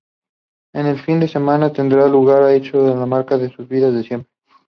Ese fin de semana tendrá lugar un hecho que marcará sus vidas para siempre.